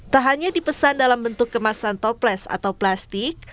tak hanya dipesan dalam bentuk kemasan toples atau plastik